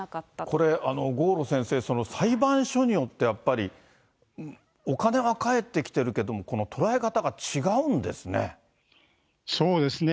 これ、郷路先生、その裁判所によって、やっぱり、お金は返ってきてるけども、この捉え方が違うんですね。